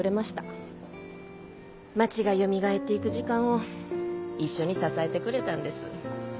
町がよみがえっていく時間を一緒に支えてくれたんです。